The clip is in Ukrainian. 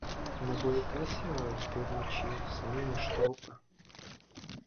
— Не боїтеся йти вночі самі між трупи?